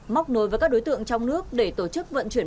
móc nối với các đối tượng trong nước để tổ chức vận chuyển